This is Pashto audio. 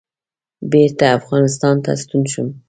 بېرته افغانستان ته ستون شوم.